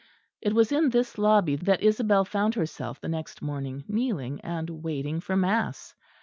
It was in this lobby that Isabel found herself the next morning kneeling and waiting for mass.